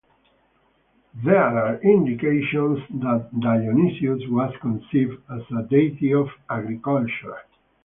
There are indications that Dionysus was conceived as a deity of agriculture.